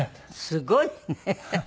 すごいね。